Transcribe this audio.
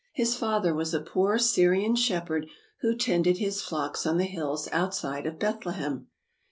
His father was a poor Syrian shepherd who tended his flocks on the hiUs outside of Bethlehem.